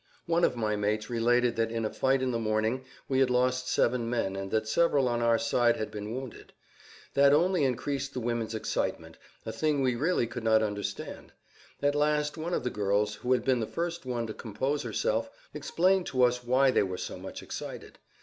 One of my mates related that in a fight in the morning, we had lost seven men and that several on our side had been wounded. That only increased the women's[Pg 39] excitement, a thing we really could not understand. At last one of the girls, who had been the first one to compose herself, explained to us why they were so much excited.